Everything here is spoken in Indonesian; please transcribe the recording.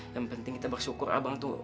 yang penting kita bersyukur abang tuh